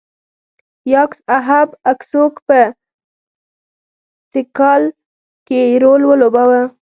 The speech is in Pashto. یاکس اهب اکسوک په تیکال کې رول ولوباوه.